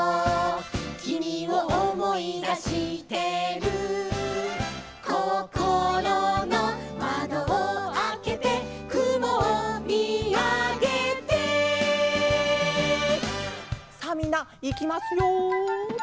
「君を思い出してる」「こころの窓をあけて」「雲を見あげて」さあみんないきますよ。